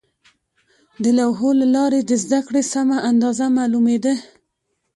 د لوحو له لارې د زده کړې سمه اندازه معلومېده.